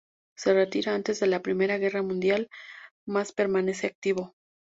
Se retira antes de la primera guerra mundial, mas permanece activo.